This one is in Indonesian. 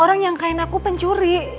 orang yang kain aku pencuri